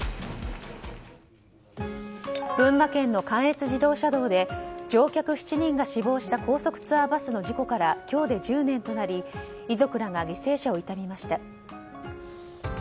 群馬県の関越自動車道で乗客７人が死亡した高速ツアーバスの事故から今日で１０年となり遺族らが犠牲者を悼みました。